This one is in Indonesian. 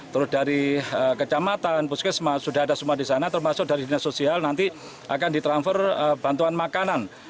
terus dari kecamatan puskesma sudah ada semua di sana termasuk dari dinas sosial nanti akan ditransfer bantuan makanan